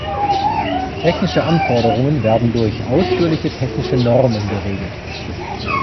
Technische Anforderungen werden durch ausführliche technische Normen geregelt.